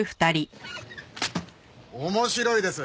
面白いです！